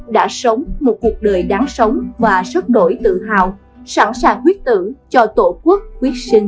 đã sống một cuộc đời đáng sống và rất đổi tự hào sẵn sàng quyết tử cho tổ quốc quyết sinh